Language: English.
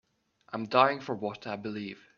I'm dying for what I believe.